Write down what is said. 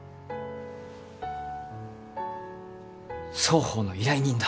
双方の依頼人だ。